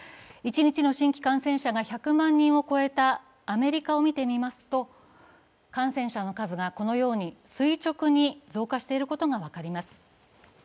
一日の新規感染者が１００万人を超えたアメリカを見てみますと感染者の数がこのように垂直に増加していることが分かります。